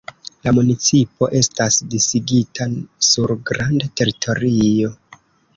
La municipo estas disigita sur granda teritorio.